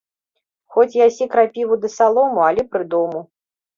Хоць ясі крапіву ды салому, але пры дому